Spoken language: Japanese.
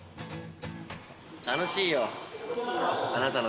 楽しいよ。